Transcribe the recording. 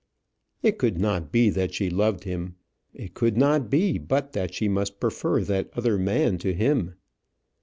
It could not be that she loved him; it could not be but that she must prefer that other man to him.